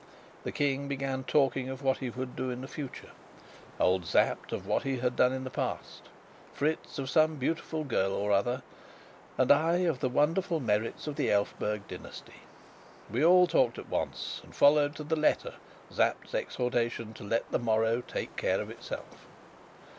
The King began talking of what he would do in the future, old Sapt of what he had done in the past, Fritz of some beautiful girl or other, and I of the wonderful merits of the Elphberg dynasty. We all talked at once, and followed to the letter Sapt's exhortation to let the morrow take care of itself.